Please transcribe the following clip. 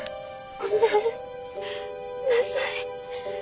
ごめんなさい。